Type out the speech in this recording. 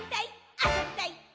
「あそびたいっ！！」